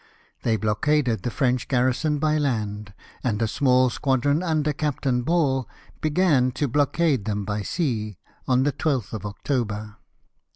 They blockaded the French garrison by land, and a small squadron, under Captain Ball, began to blockade them by sea on the 12th of October.